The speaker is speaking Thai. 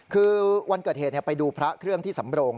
คือวันเกิดเหตุไปดูพระเครื่องที่สำโรง